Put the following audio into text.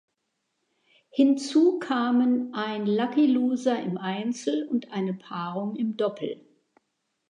Hinzu kamen ein Lucky Loser im Einzel und eine Paarung im Doppel.